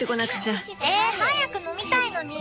え早く飲みたいのに。